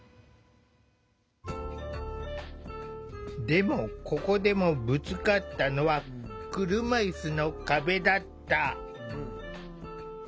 でも、ここでもぶつかったのは車いすの壁だった。